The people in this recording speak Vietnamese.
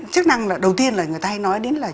chức năng là đầu tiên là người ta hay nói đến là